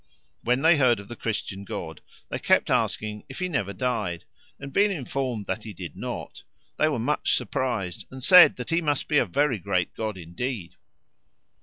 When they heard of the Christian God, they kept asking if he never died, and being informed that he did not, they were much surprised, and said that he must be a very great god indeed.